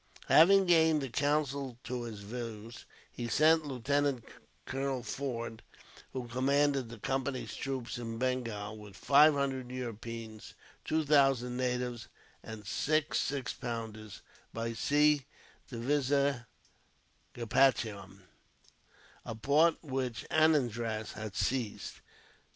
Having gained the council to his views, he sent Lieutenant Colonel Forde, who commanded the Company's troops in Bengal, with five hundred Europeans, two thousand natives, and six six pounders, by sea to Vizagapatam, a port which Anandraz had seized.